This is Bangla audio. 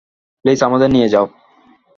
প্লিজ আমাদের নিয়ে যাও।